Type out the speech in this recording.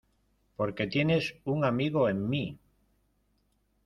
Porque tienes un amigo en mí.